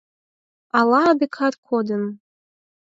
— Ала адакат кодын?